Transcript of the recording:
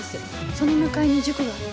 その向かいに塾があって。